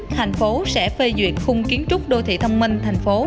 thành phố sẽ phê duyệt khung kiến trúc đô thị thông minh thành phố